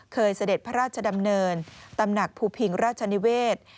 เสด็จพระราชดำเนินตำหนักภูพิงราชนิเวศ